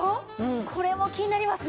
これも気になりますね。